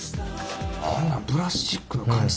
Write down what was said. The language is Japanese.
こんなんプラスチックの感じ